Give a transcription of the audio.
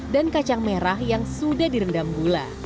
dan kacang merah yang sudah direndam gula